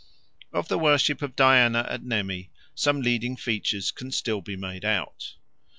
Of the worship of Diana at Nemi some leading features can still be made out.